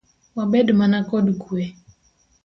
Wabed mana kod kue.